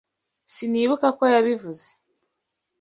Sinibuka ko yabivuze.